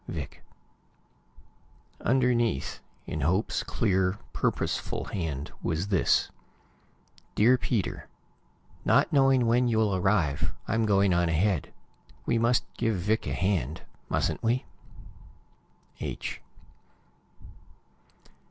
Vic Underneath, in Hope's clear, purposeful hand, was this: Peter dear: Not knowing when you'll arrive, I'm going on ahead. We must give Vic a hand mustn't we? H.